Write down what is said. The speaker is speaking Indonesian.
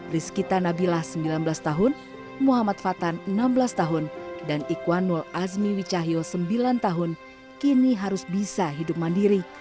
rizkita nabilah sembilan belas tahun muhammad fatan enam belas tahun dan ikwanul azmi wicahyo sembilan tahun kini harus bisa hidup mandiri